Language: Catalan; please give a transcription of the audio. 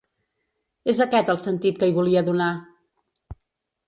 És aquest el sentit que hi volia donar.